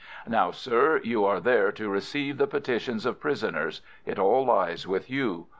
Now, sir, you are there to receive the petitions of prisoners. It all lies with you.